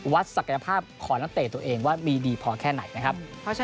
ศักยภาพของนักเตะตัวเองว่ามีดีพอแค่ไหนนะครับ